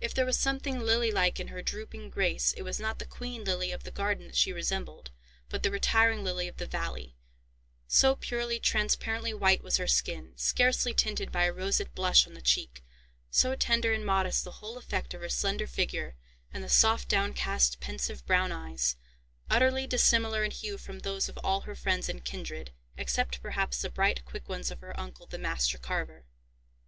If there was something lily like in her drooping grace, it was not the queen lily of the garden that she resembled, but the retiring lily of the valley—so purely, transparently white was her skin, scarcely tinted by a roseate blush on the cheek, so tender and modest the whole effect of her slender figure, and the soft, downcast, pensive brown eyes, utterly dissimilar in hue from those of all her friends and kindred, except perhaps the bright, quick ones of her uncle, the master carver.